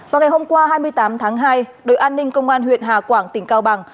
vào ngày hôm qua hai mươi tám tháng hai đội an ninh công an huyện hà quảng tỉnh cao bằng